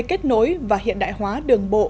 kết nối và hiện đại hóa đường bộ